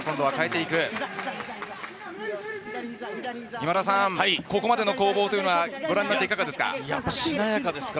今田さん、ここまでの攻防はご覧になっていかがですか？